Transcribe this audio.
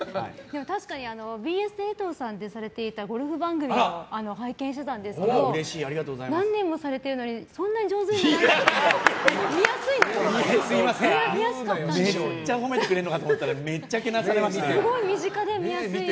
確かにＢＳテレ東さんでされていたゴルフ番組を拝見していたんですけど何年もされてるのにそんなに上手にならないからめっちゃ褒めてくれるのかと思ったらめっちゃけなされました。